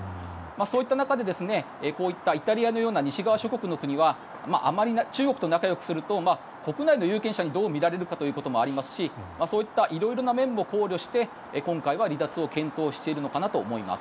そういった中で、こういったイタリアのような西側諸国の国はあまり中国と仲よくすると国内の有権者にどう見られるかということもありますしそういった色々な面も考慮して今回は離脱を検討しているのかなと思います。